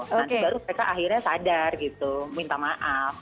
nanti baru mereka akhirnya sadar gitu minta maaf